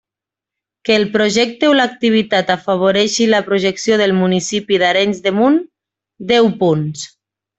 Que el projecte o l'activitat afavoreixi la projecció del municipi d'Arenys de Munt: deu punts.